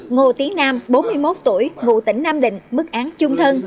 ngô tiến nam bốn mươi một tuổi ngụ tỉnh nam định mức án trung thân